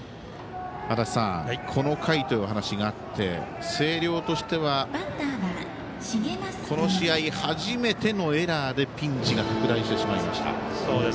足達さんこの回というお話があって星稜としてはこの試合初めてのエラーでピンチが拡大してしまいました。